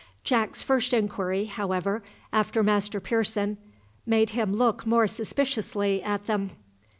Jack's first inquiry, however, after Master Pearson, made him look more suspiciously at them.